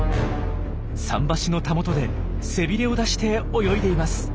桟橋のたもとで背びれを出して泳いでいます。